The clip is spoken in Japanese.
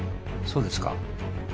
そうですか。